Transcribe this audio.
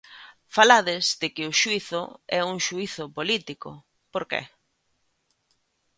Falades de que o xuízo é un xuízo político, por que?